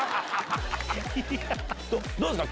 どうですか？